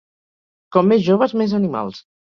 Com més joves, més animals.